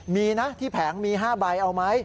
มีนะที่แผงมี๕ใบเอาไหม